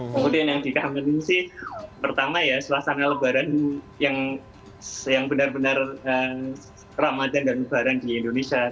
kemudian yang dikangenin sih pertama ya suasana lebaran yang benar benar ramadan dan lebaran di indonesia